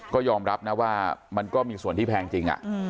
ก็ยอมรับนะว่ามันก็มีส่วนที่แพงจริง